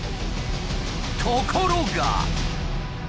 ところが。